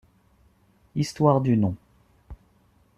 Histoire du nom.